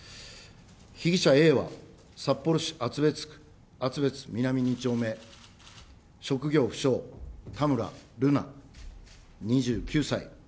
被疑者Ａは札幌市厚別区厚別南２丁目、職業不詳、田村瑠奈２９歳。